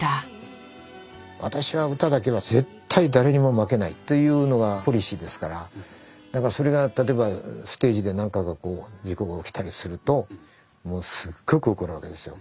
「私は歌だけは絶対誰にも負けない」というのがポリシーですからだからそれが例えばステージで何かが事故が起きたりするともうすっごく怒るわけですよ。